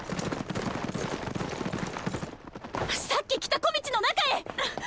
さっき来た小路の中へ！